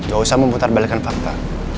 gak usah memutarbalikan fakta